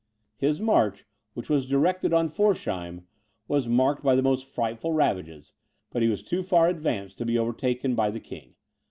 His march, which was directed on Forchheim, was marked by the most frightful ravages; but he was too far advanced to be overtaken by the king.